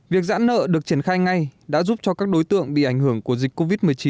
việc giãn nợ được triển khai ngay đã giúp cho các đối tượng bị ảnh hưởng của dịch covid một mươi chín